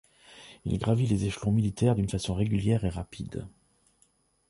Il gravit les échelons militaires d'un façon régulière et rapide.